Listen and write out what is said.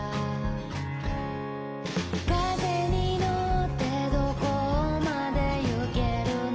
「風に乗ってどこまで行けるの？」